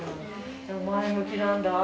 前向きなんだ。